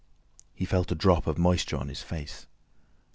He felt a drop of moisture on his face.